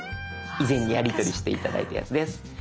以前やり取りして頂いたやつです。